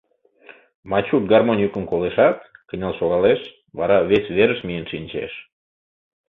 Мачук гармонь йӱкым колешат, кынел шогалеш, вара вес верыш миен шинчеш.